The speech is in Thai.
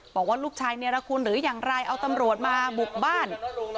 บอกว่าลูกชายเนรคุณหรืออย่างไรเอาตำรวจมาบุกบ้าน